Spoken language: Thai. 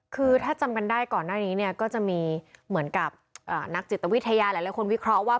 คือถ้าจำกันได้ก่อนหน้านี้เนี่ยก็จะมีเหมือนกับนักจิตวิทยาหลายคนวิเคราะห์ว่า